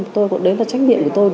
toàn xã hội